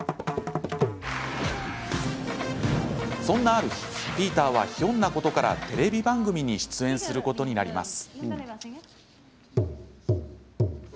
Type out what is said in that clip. そんなある日、ピーターはひょんなことからテレビ番組に出演することになります。